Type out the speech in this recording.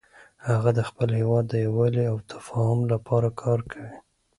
هغه د خپل هیواد د یووالي او تفاهم لپاره کار کوي